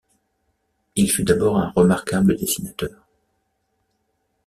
Il fut d'abord un remarquable dessinateur.